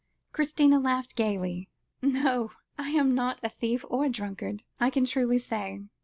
Christina laughed gaily. "No, I'm not a thief or a drunkard, I can truly say.